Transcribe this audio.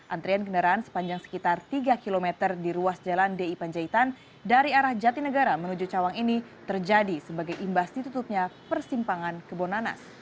antrian kendaraan sepanjang sekitar tiga km di ruas jalan di panjaitan dari arah jatinegara menuju cawang ini terjadi sebagai imbas ditutupnya persimpangan kebonanas